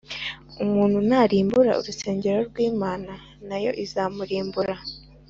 Umuntu narimbura urusengero rw’ Imana na yo izamurimbura